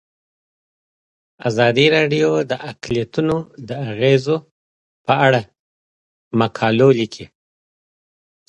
ازادي راډیو د اقلیتونه د اغیزو په اړه مقالو لیکلي.